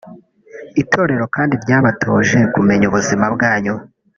Itorero kandi ryabatoje kumenya ubuzima bwanyu